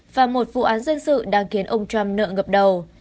và một vụ án dân sự đang khiến ông trump nợ ngập đầu